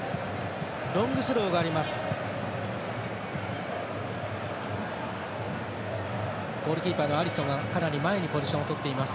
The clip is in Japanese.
ロングスローがあります。